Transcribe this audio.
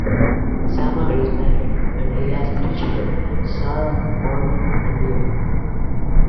Sammer is married and has three children, Sarah, Marvin, and Leon.